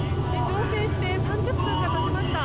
乗船して３０分が経ちました。